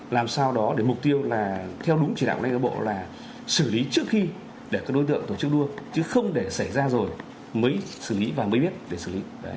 làm sao đó để mục tiêu là theo đúng chỉ đạo của lãnh đạo bộ là xử lý trước khi để các đối tượng tổ chức đua chứ không để xảy ra rồi mới xử lý và mới biết để xử lý